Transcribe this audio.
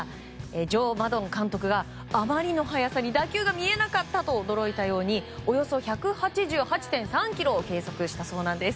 ジョー・マドン監督があまりの速さに打球が見えなかったと驚いたようにおよそ１８８．３キロを計測したそうなんです。